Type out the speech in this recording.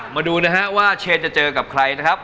มาดูนะฮะว่าเชนจะเจอกับใครนะครับ